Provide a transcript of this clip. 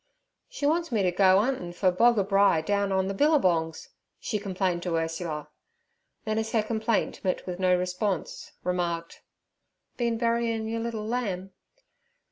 'She wants me t' go 'untin' fer boggabri down on ther billabongs' she complained to Ursula. Then, as her complaint met with no response, remarked, 'Been buryin' yer liddle lamb?'